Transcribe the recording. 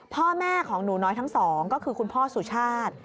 พ่อแม่ของหนูน้อยทั้งสองก็คือคุณพ่อสุชาติ